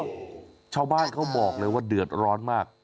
แล้วชาวบ้านเขาบอกเลยว่าเดือดร้อนมาก